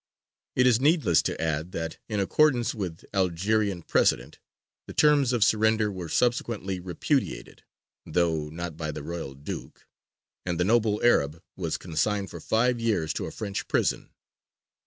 It is needless to add that, in accordance with Algerian precedent, the terms of surrender were subsequently repudiated, though not by the Royal Duke, and the noble Arab was consigned for five years to a French prison.